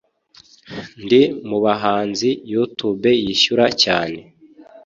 ndi mu bahanzi Youtube yishyura cyane